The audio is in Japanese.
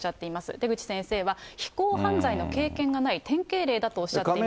出口先生は、非行犯罪の経験がない、典型例だとおっしゃっています。